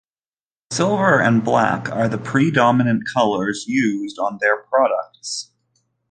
Silver and black are the predominant colors used on their products.